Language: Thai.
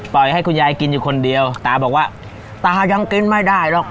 ให้คุณยายกินอยู่คนเดียวตาบอกว่าตายังกินไม่ได้หรอก